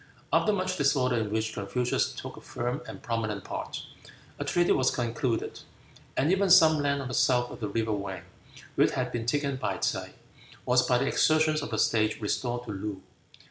After much disorder, in which Confucius took a firm and prominent part, a treaty was concluded, and even some land on the south of the river Wan, which had been taken by T'se, was by the exertions of the Sage restored to Loo.